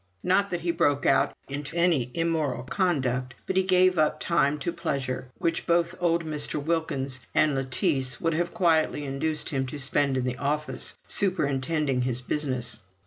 Not that he broke out into any immoral conduct, but he gave up time to pleasure, which both old Mr. Wilkins and Lettice would have quietly induced him to spend in the office, superintending his business.